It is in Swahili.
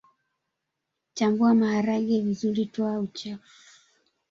Chambua maharage vizuri toa uchafu